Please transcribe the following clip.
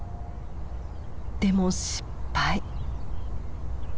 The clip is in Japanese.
でも失敗！